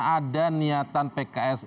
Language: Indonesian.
ada niatan pkr